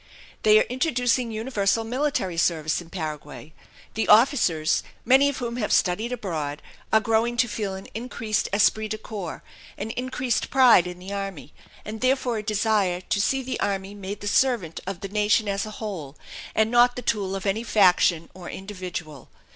They are introducing universal military service in Paraguay; the officers, many of whom have studied abroad, are growing to feel an increased esprit de corps, an increased pride in the army, and therefore a desire to see the army made the servant of the nation as a whole and not the tool of any faction or individual.